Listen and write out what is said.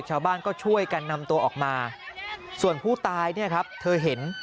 ชาวบ้านก็ช่วยกันนำตัวออกมาส่วนผู้ตายเนี่ยครับเธอเห็น